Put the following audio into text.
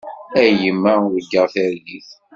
A yemma urgaɣ targit.